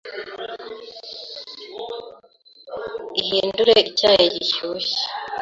Ihindure icyayi gishyushye.